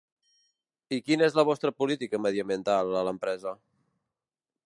I quina és la vostra política mediambiental, a l'empresa?